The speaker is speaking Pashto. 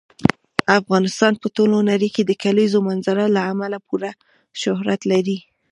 افغانستان په ټوله نړۍ کې د کلیزو منظره له امله پوره شهرت لري.